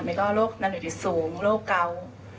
มีก็โรคนานอยู่ที่สูงโรคเกา